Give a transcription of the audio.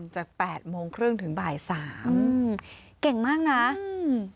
จากแปดโมงครึ่งถึงบ่ายสามอืมเก่งมากน่ะอืม